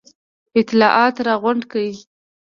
اطلاعات را غونډ کړي.